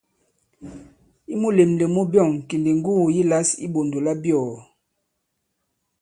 I mulèmlèm mu byɔ̑ŋ kì ndi ŋgugù yi lǎs i iɓɔ̀ndò labyɔ̀ɔ̀.